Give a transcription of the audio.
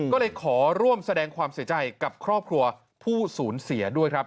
ก็เลยขอร่วมแสดงความเสียใจกับครอบครัวผู้สูญเสียด้วยครับ